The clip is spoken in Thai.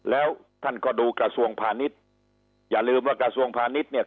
แล้วท่านก็ดูกระทรวงพาณิชย์อย่าลืมว่ากระทรวงพาณิชย์เนี่ย